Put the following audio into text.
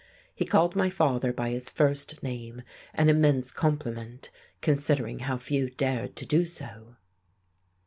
He called my father by his first name, an immense compliment, considering how few dared to do so.